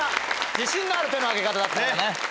自信のある手の挙げ方だったからね。